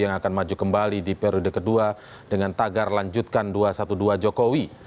yang akan maju kembali di periode kedua dengan tagar lanjutkan dua ratus dua belas jokowi